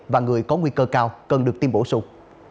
và người có nguy cơ cao cần được tiêm bổ sung